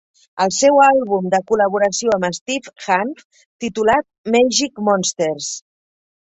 El seu àlbum de col·laboració amb Steve Hanft, titulat Magic Monsters.